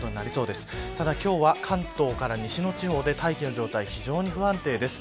ただ今日は関東から西の地方で大気の状態、非常に不安定です。